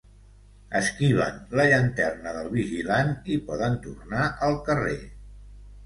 Esquiven la llanterna del vigilant i poden tornar al carrer.